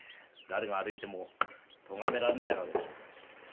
誰が歩いてもとがめられない訳です。